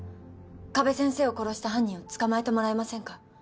加部先生を殺した犯人を捕まえてもらえませんか。